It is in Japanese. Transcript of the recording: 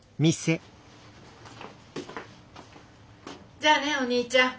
じゃあねお兄ちゃん。